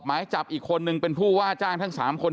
หมายจับอีกคนนึงเป็นผู้ว่าจ้างทั้ง๓คน